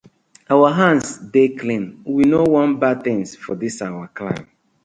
Our hands dey clean, we no wan bad tinz for dis our clan.